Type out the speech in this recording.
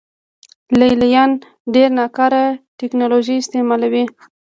لې لیان ډېره ناکاره ټکنالوژي استعملوي